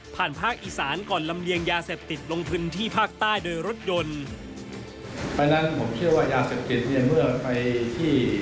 ผ่านภาคอีสานก่อนลำเลียงยาเสพติดลงพื้นที่ภาคใต้โดยรถยนต์